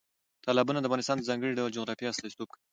تالابونه د افغانستان د ځانګړي ډول جغرافیه استازیتوب کوي.